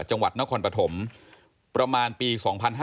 จังหวัดนครปฐมประมาณปี๒๕๕๙